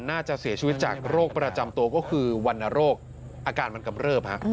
น่าจะเสียชีวิตจากโรคประจำตัวก็คือวรรณโรคอาการมันกำเริบ